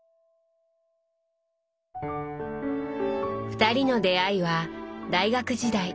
２人の出会いは大学時代。